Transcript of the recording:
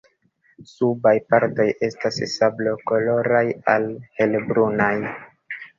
Subaj partoj estas sablokoloraj al helbrunaj.